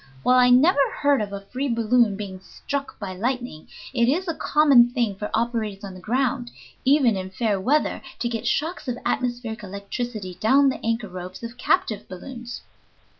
While I never heard of a free balloon being struck by lightning, it is a common thing for operators on the ground even in fair weather to get shocks of atmospheric electricity down the anchor ropes of captive balloons."